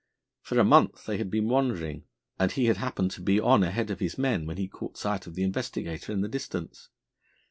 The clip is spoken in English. For a month they had been wandering, and he had happened to be on ahead of his men when he caught sight of the Investigator in the distance.